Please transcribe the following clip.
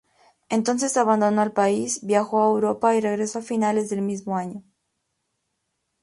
Entonces abandonó el país, viajó a Europa y regresó a fines del mismo año.